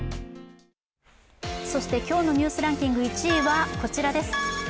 そして今日のニュースランキング１位はこちらです。